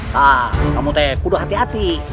tak kamu teku udah hati hati